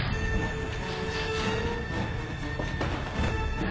あっ。